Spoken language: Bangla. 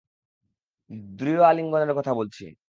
দৃঢ় আলিঙ্গণের কথা বলছি।